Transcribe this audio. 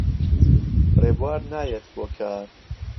ڕێبوار نایەت بۆ کار.